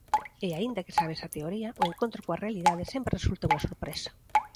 E aínda que sabes a teoría, o encontro coa realidade sempre resulta unha sorpresa.